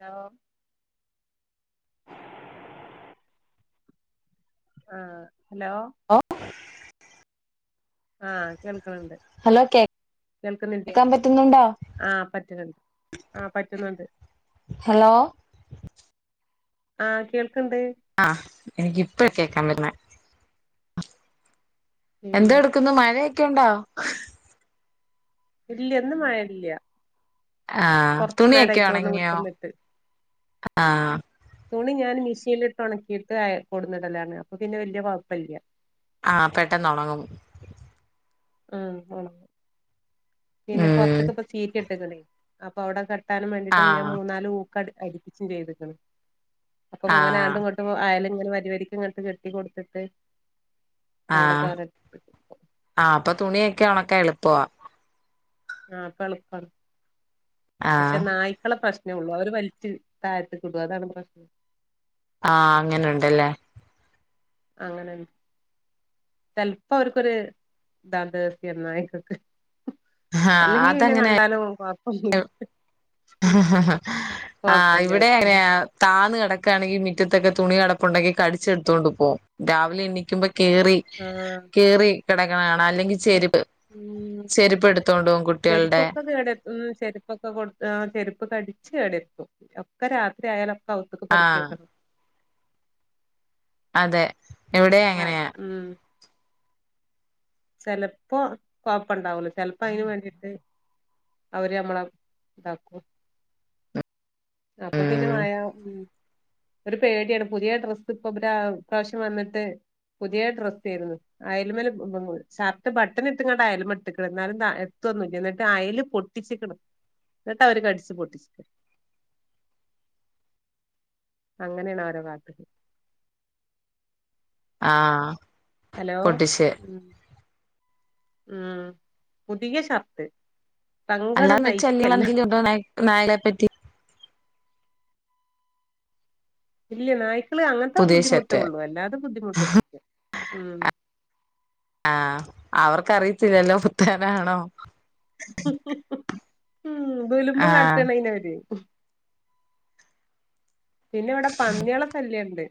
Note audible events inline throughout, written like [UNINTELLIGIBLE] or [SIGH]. Hello ആഹ് hello! ഓ ആഹ് കേൾക്ക്ണ് ണ്ട് ഹലോ കേൾക്കുന്നില്ലേ കേക്കാൻ പറ്റുന്നുണ്ടോ ആഹ് പറ്റുന്നുണ്ട് ആഹ് പറ്റുന്നുണ്ട് ഹലോ ആഹ് കേൾക്ക്ണ്ട് ആഹ് എനിക്ക് ഇപ്പഴാ കേൾക്കാൻ പറ്റ്ന്നേ എന്ത്‌ പിന്നെ എടുക്കുന്നു മഴയൊക്കെയുണ്ടോ ഇല്ല ഇന്ന് മഴ ഇല്ല ആഹ് തുണിയൊക്കെ ഒന്ന് ഉണങ്ങിയോ വിട്ട്ന്നിട്ട് ആഹ് തുണി ഞാൻ മിഷീനിലിട്ട് ഉണക്കിയിട്ട് അയെ കൊടുന്നിടലാണ് അപ്പൊ പിന്നെ വലിയ കൊയപ്പല്ല്യ ആഹ് പെട്ടെന്ന് ഒണങ്ങും ആഹ് ഒണങ്ങും പിന്നെ ഉം പൊറത്ത്ക്ക് ഇപ്പോ സീറ്റ് ഇട്ടക്ണേ അപ്പൊ അവിടെ കെ ത്താനും വേണ്ടിട്ടും ഞാൻ ആഹ് മൂന്നാല് കൂക്കാണ്ട് അടിപ്പിച്ചും ചെയ്ത്ക്ക്ണ്. ആഹ് അപ്പങ്ങനാണ്ടും ഇ പ്പോ ആയൽ ഇങ്ങനെ വരി വരിക്ക് ഇങ്ങട്ട് കെട്ടി കൊടുത്തിട്ട് അവിടെ ആഹ് തോര ആഹ് അപ്പ തുണിയൊക്കെ ഒണക്കാൻ എളുപ്പവാ ആഹ് അപ്പ എളുപ്പാണ് ആഹ് പക്ഷെ നായി കളെ പ്രശ്നെഉള്ളൂ അവര് വൽച്ച് താഴത്ക്ക് ഇടടും അതാണ് പ്രശ്നം ആഹ് അങ്ങനെയുണ്ടല്ലേ അങ്ങനെ ചെലപ്പോ അവർക്കൊരു [UNINTELLIGIBLE] നായികക്ക് ആഹ് അല്ലെങ്കി പിന്നെ അതങ്ങനെ കണ്ടാലും കൊയപൊന്നും ഇല്ല ആഹ് ഇവിടെ അവർക്ക് അങ്ങനെയാ താന്ന് കിടക്കുകയാണെങ്കിൽ മുറ്റത്തൊക്കെ തുണി കിടപ്പുണ്ടെങ്കി കടിച്ചെടുത്തുകോണ്ട് പോകും രാവിലെ എണ്ണിക്കുമ്പോ കേറി ആഹ് കീറി ഇട്ട്ണേ കാണാം അല്ലെങ്കിൽ ചെരുപ്പ് ഉം ചെരുപ്പ് എടുത്തോണ്ട് പോവും കുട്ടികളുടെ ചെരുപ്പൊക്കെ കേടെര്ത്തും ഉം ചെരുപ്പൊക്കെ കൊടു ആഹ് ചെരുപ്പ് കടിച്ച് കേടുവരുത്തും ഒക്കെ രാത്രി ആയാല ഔത്ക്ക് ആഹ് പെറുക്കിവെക്കണം അതെ ഇവിടെ ആഹ് അങ്ങനെയാ ഉം ചെലപ്പോ കൊഴപ്പണ്ടാവുള്ളു ചെലപ്പോ അതിന് വേണ്ടിട്ട് അവര് നമ്മളെ ഇതാക്കും അപ്പൊ പിന്നെ ഉം മഴ ഉം ഒരു പേടിയാണ് പുതിയ ഡ്രസ്സ് ഇപ്പൊ ഈ പ്രാവശ്യം വന്നിട്ട് പുതിയ ഡ്രസ്സാരുന്നു അയൽമേല് [UNINTELLIGIBLE] ഷർട്ട് ബട്ടണ് ഇട്ടുങ്ങാണ്ട് അയലുമെ ഇട്ടേക്കണ് എന്നാലും എത്തൊന്നുമില്ല എന്നിട്ട് അയല് പൊട്ടിച്ചിക്കണ്. ഇതൊക്കെ അവര് കടിച്ചു പൊട്ടിച്ചിക്കണ് അങ്ങനെയാണ് ഓരെ കാട്ടല് ആഹ് ഹലോ പൊട്ടിച്ച് ഉം ഉം പുതിയ ഷർട്ട് സങ്കടം അല്ലാന്ന് [UNINTELLIGIBLE] സഹിക്കല്ല എന്തീലും ഉണ്ടോ നായ് നായകളെപ്പറ്റി ഇല്ല നായ്ക്കള് അങ്ങനത്തെ പുതിയ ബുദ്ധിമുട്ടേ ഷർട്ട് ഉള്ളൂ അല്ലാതെ ബുദ്ധിമുട്ടൊന്നും ഇല്ല ഉം ആഹ് അവർക്കറിയത്തില്ലല്ലോ പുത്തനാണോ ഉം ദുൽമ് ആഹ് കാട്ടണയിന് അവര് പിന്നെ ഇവിടെ പന്നികളുടെ ശല്യം ഇണ്ട്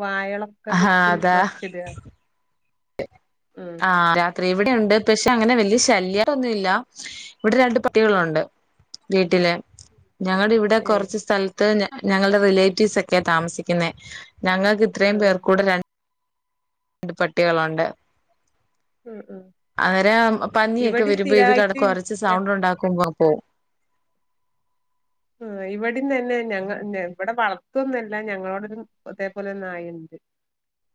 വാഴകള് ഒക്കെ ആഹ് കുത്തി അതാ മറിച്ചിടുകാ ആഹ് രാത്രി ഇവിടെയുണ്ട് പക്ഷെ അങ്ങനെ വലിയ ശല്യം ഒന്നുമില്ല ഇവിടെ രണ്ട് പട്ടികളുണ്ട് വീട്ടില് ഞങ്ങളുടെ ഇവിടെ ഏ കുറച്ച് സ്ഥല ത്ത് ഞങ്ങളുടെ റിലേറ്റീവ്സ് ഒക്കെയാ താമസിക്കുന്നെ ഞങ്ങൾക്ക് ആ ഇത്രയും പേർക്കൂടെ ര ണ്ട് പട്ടികളുണ്ട് ആ ആ അവര് പന്നിയൊക്കെ ഇവിടെ വരുമ്പോ ഇത് കണ്ട് സ്ഥിരായിട്ട് കൊരച്ചു സൗണ്ട് ഉണ്ടാക്കുമ്പോ പോവും ആഹ് ഇവടെയും തന്നെ ഞങ്ങ ഇവടെ വളത്തൊവൊന്നുവല്ല ഞങ്ങളോടെ ഇതേപോലെ ഒരു നായുണ്ട്.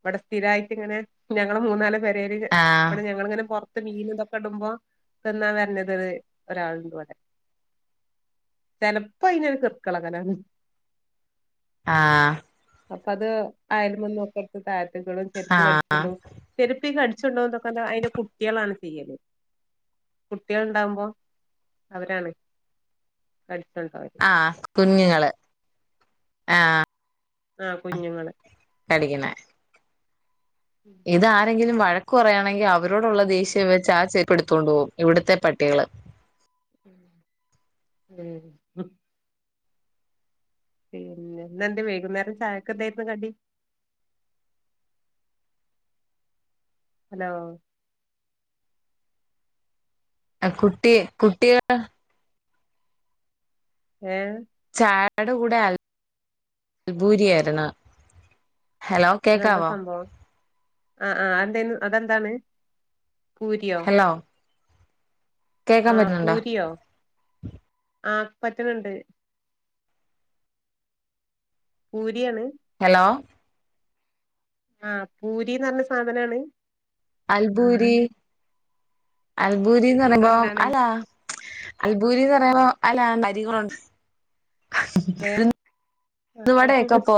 ഇവിടെ സ്ഥിരായിട്ട് ഇങ്ങനെ ഞങ്ങള് മൂന്നാല് പേരയില് ആഹ് ഇവിടെ ഞങ്ങളിങ്ങനെ പൊറ ത്ത് മീന് ഇതൊക്കെ ഇടുമ്പോ തിന്നാൻ വരണത് ഒരു ഒരാളുണ്ട് ഇവിടെ ചിലപ്പോ അതിനൊരു കിറുക്കിളകലാണ് ആഹ് അപ്പൊ അത് അയയൽമേന്നൊക്കെ എടുത്ത് താഴത്തേക്കിടും ചെരുപ്പ് ആഹ് കടിച്ചോണ്ട് പോകും ചെരുപ്പ് ഈ കടിച്ചോണ്ട് പോന്നതൊക്കെ അതിന്റെ കുട്ടികളാണ് ചെയ്യല് കുട്ടികളുണ്ടാവുമ്പോ അവരാണ് കഠിച്ച് കൊണ്ട് പോവല് ആഹ് കുഞ്ഞുങ്ങള് ആഹ് ആഹ് കുഞ്ഞുങ്ങള് കടിക്കണേ ഇതാരങ്കിലും വഴക്ക് പറയാണെങ്കിൽ അവരോടുള്ള ദേഷ്യം വെച്ച് ആ ചേരുപ്പെടുത്തുകൊണ്ട് പോകും ഇവിടുത്തെ പട്ടികള് ഉം ഉം പിന്നെ ഇന്നെന്ത് വൈകുന്നേരം ചായക്ക് എന്തായിരുന്നു കടി ഹലോ ആഹ് കുട്ടി കുട്ടികള് ഏ ചായേടെ കൂടെ അൽബൂരിയാരുന്നു അതെന്താ സംഭവം ആ ആ അതെന്തായിന് അതെന്താണ് പൂരിയോ ഹലോ കേക്കാൻ ആ പറ്റുന്നുണ്ടോ പൂരിയോ ആ പറ്റണണ്ട് പൂരിയാണ് ഹലോ ആഹ് പൂരിന്ന് പറഞ്ഞ സാധനാണ് അൽബൂരി അൽബൂരിന്ന് പറയുമ്പൊ അതെന്താണ് അല്ലാ അൽബൂരീന്ന് പറയുമ്പോ അല്ല [UNINTELLIGIBLE] ഏ ഉഴുന്നുവടയൊക്കെ പോ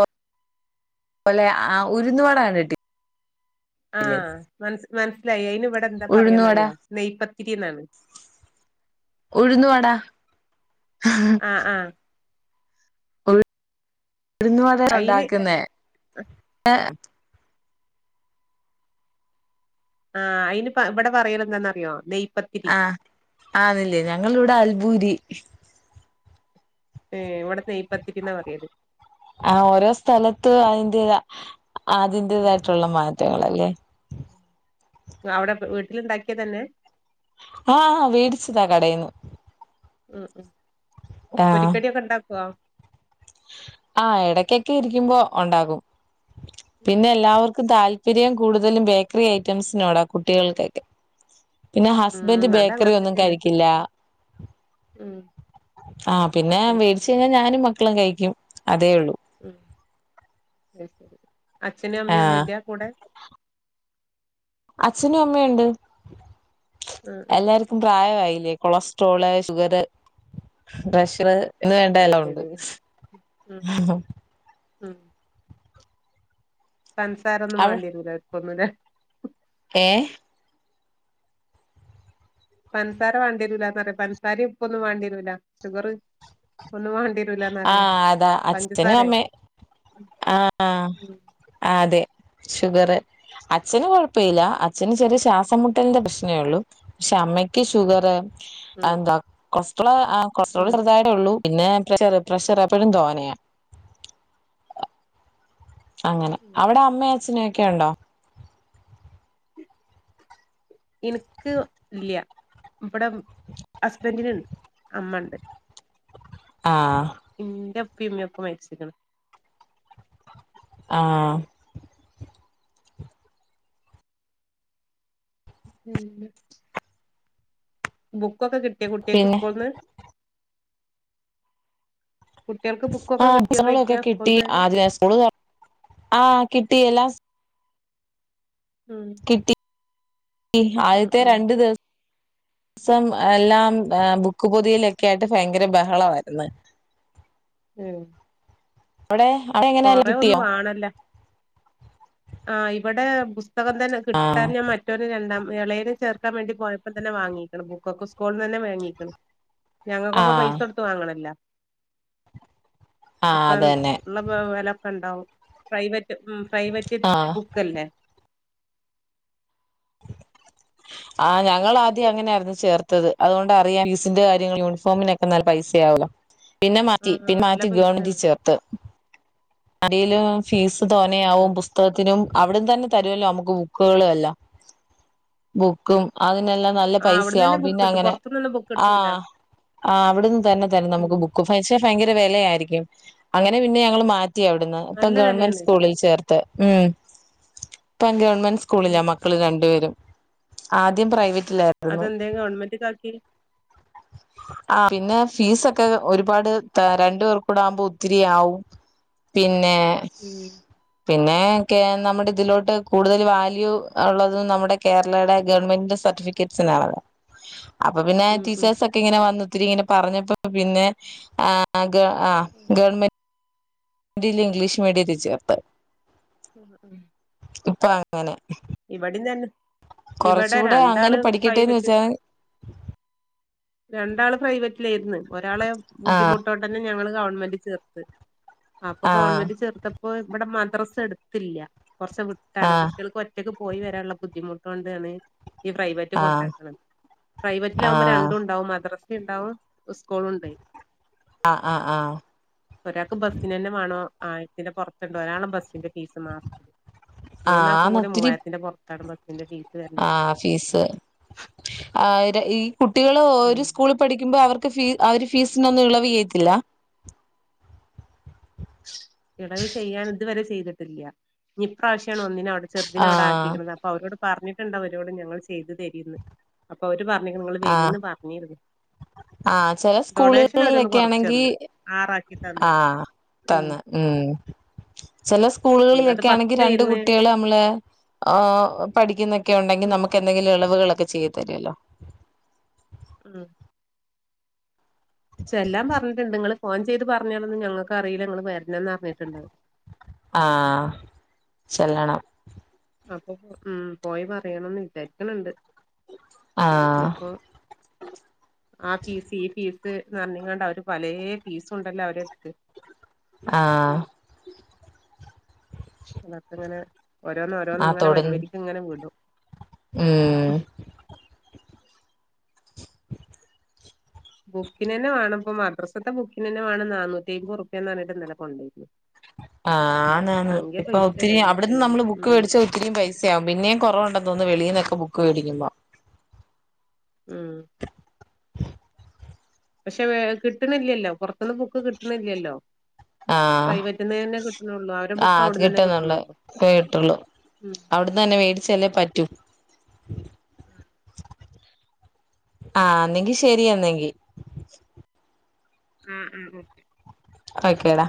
ലെ ആ ഉഴുന്നുവട കണ്ടിട്ടി ആഹ് മന മനസ്സിലായി അയിന് ഇവിടെ എന്താ ഉഴുന്നുവട പറയാന്നറിയോ നെയ്പത്തിരി എന്നാണ് ഉഴുന്നു വട ആഹ് ആഹ് ഉ ഉഴുന്നട അയിന് ഉണ്ടാക്കുന്നേ ഏ [UNINTELLIGIBLE] ആഹ് അയിന് ഇവിടെ പറയൽ എന്താന്നറിയോ നെയപ്പ ആഹ് ആന്നില്ലേ ഞങ്ങള ഇടെ അൽഭൂരി ഏഹ് ഇവിടെ നെയിപത്തിരി ന്നാ പറയല് ആ ഓരോ സ്ഥലത്തും അതിന്റത ഉം. അതിന്റേതായിട്ടുള്ള മാ റ്റങ്ങളല്ലേ അവിടെ വീട്ടിലുണ്ടാക്കിയ തന്നെ ആഹ് ഹ വേടിച്ചതാ കടെന്നു ഉം ഉം പൊരികടി ഒക്കെ ഉണ്ടാക്കുവോ ആ ഇടക്കൊക്കെ ഇരിക്കുമ്പോ ഉണ്ടാകും ഉം. പിന്നെ എല്ലാവർക്കും താല്പ പിരിയാം കൂടുതലും ബേക്കറി ഐറ്റംസിനോടാ കുട്ടികൾക്കൊക്കെ പിന്നെ ഉം ഹസ്ബൻഡ് ബേക്കറി അതങ്ങനെ ഒന്നും തന്നെയാണ് കഴിക്കില്ല ഉം ആഹ് പിന്നെ അത് ശരി വേടിച്ച കഴിഞ്ഞാൽ ഞാനും മക്കളും കഴിക്കും അതേ ഉള്ളൂ ഉം അച്ഛനും ആഹ് അമ്മിയൊന്നുംല്ല കൂടെ അച്ഛനും അമ്മയുണ്ട് ഉം ഉം എല്ലാർ ക്കും പ്രായമായില്ലേ കൊളസ്ട്രോള് ഷുഗർ പ്രഷർ ഇന്ന് വേണ്ട അത് എല്ലാം ഉണ്ട് ശരി ഉം ഉം പൻസാരൊന്നും വേണ്ടിരുല്ല ഓല്ക്കൊന്നുലെ ഏഹ് പഞ്സാര വേണ്ടിവരുല്ല പറയാ പഞ്സാര ഉപ്പ് ഒന്നും വേണ്ടിവരുല്ല ഷുഗർ ഒന്നും വേണ്ടിവ ആഹ് അതാ അച്ഛനും അമ്മയും ആഹ് ഉം ആഹ് അതെ ഷുഗറ് അച്ഛന് കൊഴപ്പല്ല അച്ഛന് ചെറിയ ശ്വാസം മുട്ട് ട്ടിന്റെ പ്രശ്നേ ഉള്ളു പക്ഷെ അമ്മയ്ക്ക് ഷുഗർ ഉം എന്താ കൊളസ്ട്രോള് കൊളസ്ട്രോൾ ഉം ചെറുതായിട്ടെ ഉള്ളൂ പിന്നെ പ്രഷർ പ്രഷർ എപ്പോഴും തോനെയാ അങ്ങനെ ഉം അവിടെ അമ്മ അച്ഛനൊക്കെ ഉണ്ടോ ഇനിക്ക് ഇല്ല ഇവടെ ഹസ്ബന്റിന്ണ്ട് അമ്മ ഇണ്ട് ആഹ് ഇന്റെ ഇപ്പീ ഇമ്മയൊക്കെ മരിച്ചിക്കിണ് ആഹ് ഉം ബുക്കൊക്കെ കിട്ടിയോ കുട്ടിയാൾക്ക് പിന്നെ സ്കൂൾന്ന് കുട്ടിയേൾക്ക് ആ ബുക്കൊക്കെ ബുസ്തങ്ങളൊക്കെ കിട്ടിയോന്നോയ്ക്കാ കിട്ടി ആ സ്കൂൾന്നന്നെ സ്കൂള് തുറന്ന ആ കിട്ടി എല്ലാം ഉം കിട്ടി ഉം ആദ്യത്തെ ഉം രണ്ട് ദിവസ സം എല്ലാം ബുക്ക് പൊതിയലൊക്കെ ആയിട്ട് ഭയങ്കര ബഹളമായിരുന്നു ഉം അവിടെ അവിടെ എങ്ങനെയ കൊറെ ഒന്നും കിട്ടിയോ വാണല്ല ആ ഇവിടെ പുസ്തകം തന്നെ ആഹ് കിട്ടാൻ [UNINTELLIGIBLE] രണ്ടാം ഇളേതിനെ ചേർക്കാൻ വേണ്ടി പോയപ്പോ തന്ന വാങ്ങീക്കണ് ബുക്കെക്കെ സ്കൂളിൽന്ന് തന്നെ വാങ്ങീക്കണ് ഞങ്ങക്കൊക്കെ ആഹ് പൈസ കൊടുത്ത് വാങ്ങണല്ലോ ആഹ് ഒക്കെ അതന്നെ [UNINTELLIGIBLE] വിലൊക്കെ ഉണ്ടാവും പ്രൈവറ്റ് ഉം പ്രൈവറ്റ് ആഹ് ബുക്കല്ലേ ആ ഞങ്ങള് ആദ്യം അങ്ങനആയിരുന്നു ചേർത്തത് അതുകൊണ്ട് അറിയാം [UNINTELLIGIBLE] സ്ന്റെ കാര്യങ്ങൾ യൂണഫോമിനൊക്കെ നല്ല പൈസയാവ പിന്നെ മാറ്റി ആഹ് പിന്നെ നല്ല മാറ്റി പൈസാണ് ഗവൺമെന്റില് ചേർത്ത് ആയിലും ഫീസ് തോനയാവും ഉം പുസ്തകത്തിനും അവിട്ന്ന് തന്നെ തരുവല്ലോ നമുക്ക് ബുക്കുകളും എല്ലാം ബുക്കും അയ്നെല്ലാം നല്ല ആഹ് പൈസ ആവും അവിടന്നന്നെ ബുക്ക് പിന്നെ കിട്ടും അങ്ങനെ പൊറത്തുന്നൊന്ന് ബുക്ക് കിട്ടൂല ആഹ് അവിടുന്ന് തന്നെ തരും നമുക്ക് ഉം ബുക്കും പക്ഷെ ഭയങ്കര വിലയായിരിക്കും അങ്ങനെ പിന്നെ ഞങ്ങള് മാറ്റി അവിടുന്ന് ഇപ്പൊ നല്ല ഗവൺമെന്റ് വെലയാണ് സ്കൂളിൽ ചേർത്ത് ഉം ഇപ്പം ഗവൺമെന്റ് ഉം സ്കൂളിലാ മക്ക ള് രണ്ട് പേരും ആദ്യം പ്രൈവറ്റിലായിരുന്നു അതെന്തേ ഗവൺമെന്റിലാക്കി ആഹ് പിന്നെ ഫീസ് ഒക്കെ ഒരുപാട് രണ്ടു പേർ കൂടെ ആകുമ്പോ ഒത്തിരിയാവും പിന്നെ ഉം പിന്നെ നമ്മുടെ ഇതിലോട്ട് കൂടുതൽ വാല്യൂ ഉള്ളത് നമ്മുടെ കേരളയുടെ ഗവൺമെന്റിന്റെ സർട്ടിഫിക്കറ്റ്സിന് ആണ് അപ്പൊ പിന്നെ ഉം ഉം ടീച്ചേഴ്സ് ഇങ്ങനെ വന്ന് ഒത്തിരി ഇങ്ങനെ പറഞ്ഞപ്പോ പിന്നെ ആഹ് ആഹ് ഉം ഗവൺമെന്റ് ന്റില് ഇംഗ്ലീഷ് മീഡിയത്തിൽ ചേർത്ത് ഉ ഉം ഇപ്പൊ അങ്ങനെ ഇവിടെ ഞാന് ഇവിടെ കുറച്ചുകൂടെ രണ്ടാള് അങ്ങനെ പഠിക്കട്ടെന്ന് പ്രൈവറ്റ് വെച്ചാൽ രണ്ടാള് പ്രൈവറ്റിലായിര്ന്ന് ഒരാളെ ആ ബുദ്ധിമുട്ട് കൊണ്ട് ഞങ്ങള് ഗവൺമെന്റ് ചേർത്ത് അപ്പൊ ആ ഗവൺമെന്റ് ചേർത്തപ്പ പ്പൊ ഇവിടെ മദ്രസ അടുത്തില്ല കുറച്ച് ആ വിട്ടാണ് കുട്ടികൾക്ക് ഒറ്റക്ക് പോയി വരാനുള്ള ബുദ്ധിമുട്ട് കൊണ്ടാണ് ഈ പ്രൈവറ്റ് ആ കൊണ്ടാക്കണത് പ്രൈവറ്റിൽ ആകുമ്പോ ആ രണ്ടും ഉണ്ടാവും മദ്രസ് ഉണ്ടാവും സ്കൂളും ഉണ്ട് ആഹ് ആഹ് ആഹ് ഒരാക്ക് ബസ്സിനന്നെ വേണം ആയിരത്തിന്റെ പുറത്തുണ്ട് ഒരാള ബസ്സിന്റെ ഫീസ് മാത്രം [INAUDIBLE] ആന്ന് ഒത്തിരി മൂവായിരത്തിന്റെ പുറത്താണ് ബസ്സിന്റെ ഫീസ് വരുന്നത് ആഹ് ഫീസ് കുട്ടികള് ഒരു ഉം സ്കൂള് പഠിക്കുമ്പോ അവർക്ക് അവര് ഫീസിനൊന്നും ഇളവെയ്യത്തില്ല [INAUDIBLE] ഇളവ് ചെയ്യാൻ ഇതുവരെ ചെയ്തിട്ടില്ല ഇനിപ്രാവശ്യമാണ് ഒന്നിന്നെ അവിടെ ചെറുതിനെ ആ അവിടെ ആക്കികീന്നത് അപ്പൊ അവരോട് പറഞ്ഞിട്ടുണ്ട് അവരോട് ഞങ്ങൾ ചെയ്ത് തരീന്ന് അപ്പൊ അവര് പറഞ്ഞിക്ക്ണ് നിങ്ങള് വെരിപറഞ്ഞീന്നു ആഹ് ചെല അവരൊന്ന് സ്കൂളുകളിലൊക്കെ ആണെങ്കി കൊറച്ചന്ന് ആറാക്കി തന്ന് ആഹ് ഉം തന്ന് ഉം ചെല ഉം അത് സ്കൂളുകളിലൊക്കെ ആണെങ്കിൽ രണ്ട് പത്തേര്ന്ന് കുട്ടികള് നമ്മള് പഠിക്കുന്നൊക്കെ ഉണ്ടെങ്കിൽ ഉം നമുക്ക് എന്തെങ്കിലും ഇളവുകളക്കെ ചെയ്ത് തരുമല്ലോ [INAUDIBLE] ഉം ചെല്ലാം പറഞ്ഞിട്ടണ്ട് ങ്ങള് ഫോൺ ചെയ്ത് പറഞാനോളന്ന് ഞങ്ങൾക്ക് അറിയില്ല നിങ്ങള് വരണന്ന് പറഞ്ഞിട്ടുണ്ട് ആഹ് ചെല്ലണം അപ്പൊ പോയി പറയണന്ന് വിചാരിക്കണണ്ട് ആഹ് ഇഞ്പ്പോ ആഹ് ഫീസ് ഈ ഫീസ് പറഞ്കാണ്ട് അവര് പലെ ഫീസ് ഉണ്ടല്ലോ അവരടത്ത് ആഹ് ക്കെ ഇങ്ങനെ ഓരോന്നും ഓരോന്നും ഇങ്ങനെ വരിവരിക്ക ഇങ്ങനെ വിടും ഉം ഉം ബുക്കിനന്നെ വേണം മദ്രാസ്സത്തെ ബുക്കിനന്നെ വേണം നാനൂറ്റി അയമ്പുരുപ്യ പറഞ്ഞിട്ട് ഇന്നലെ കൊണ്ടോയിക്നത് [INAUDIBLE] ആന്നന്ന് ഇപ്പൊ ഒത്തിരി അവിടുന്ന് ബുക്കിനെന്നെ നമ്മള് ബുക്ക് ഉം മേടിച്ച ഇത്തിരി പൈസകും പിന്നെയ കുറവുണ്ടോന്ന് വെളീൽന്ന് ബുക്ക് മേടിക്കുബോ ഉം പക്ഷെ കിട്ടുന്നില്ലല്ലോ പൊറത്ത്ന്ന് ബുക്ക് കിട്ടുന്നില്ലല്ലോ ആഹ് അവരെ ബുക്ക് അത് അവിടന്ന് തന്നെ കിട്ടുന്നുള്ളേ കിട്ടണുള്ളൂ കിട്ടൊള്ളു ഉം അവിടന്നന്നെ മേടിച്ചല്ലേ പറ്റൂ ആഹ് അന്നെങ്കി ശരിയന്നെങ്കി ആഹ് ഉം ഓക്കെ ഒക്കെടാ